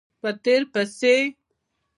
په تېر پسې